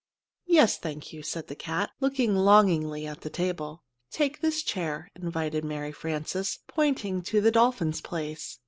"Yes, thank you," said the cat, looking longingly at the table. "Take this chair," invited Mary Frances, pointing to the dolphin's place.